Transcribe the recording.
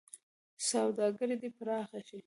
سوداګري دې پراخه شي.